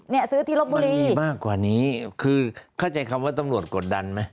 มันมีมากกว่านี้คือเข้าใจคำว่าตำรวจกดดันไหม